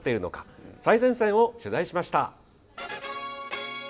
最前線を取材しました。